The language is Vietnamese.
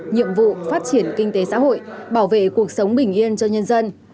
nhiệm vụ phát triển kinh tế xã hội bảo vệ cuộc sống bình yên cho nhân dân